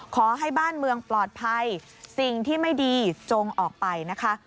ขอให้บ้านเมืองปลอดภัยสิ่งที่ไม่ดีจงออกไปนะคะ